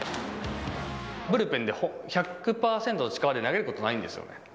ブルペンで１００％の力で投げることないんですよね。